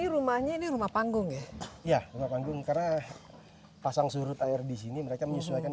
rumahnya ini rumah panggung ya ya rumah panggung karena pasang surut air di sini mereka menyesuaikan